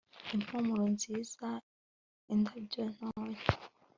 Impumuro nziza indabyo ntoya